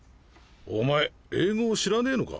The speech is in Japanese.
お前英語を知らねえのか？